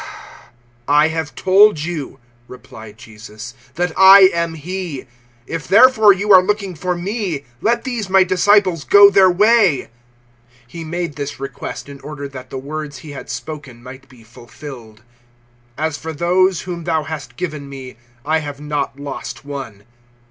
018:008 "I have told you," replied Jesus, "that I am he. If therefore you are looking for me, let these my disciples go their way." 018:009 He made this request in order that the words He had spoken might be fulfilled, "As for those whom Thou hast given me, I have not lost one."